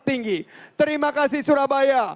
tinggi terima kasih surabaya